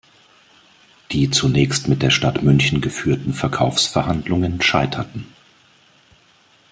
Die zunächst mit der Stadt München geführten Verkaufsverhandlungen scheiterten.